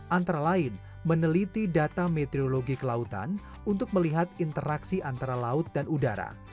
antara lain meneliti data meteorologi kelautan untuk melihat interaksi antara laut dan udara